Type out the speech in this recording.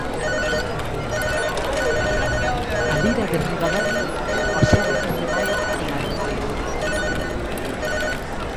A Lira de Ribadavia o pasado mes de maio en Arnoia.